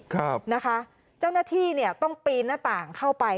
ครับนะคะเจ้าหน้าที่เนี่ยต้องปีนหน้าต่างเข้าไป